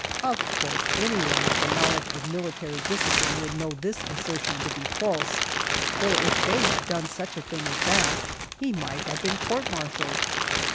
Of course anyone with a knowledge of military discipline would know this assertion to be false, for if Faye had done such a thing as that, he might have been court martialed.